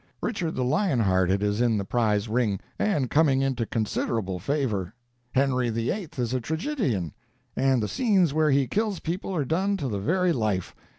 Richard the Lion hearted is in the prize ring, and coming into considerable favor. Henry the Eighth is a tragedian, and the scenes where he kills people are done to the very life.